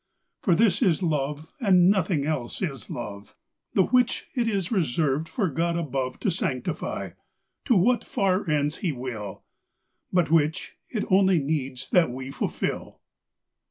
For this is love and nothing else is love, The which it is reserved for God aboveTo sanctify to what far ends He will, But which it only needs that we fulfil.